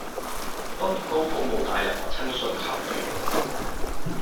當年高普冇帶任何親信球員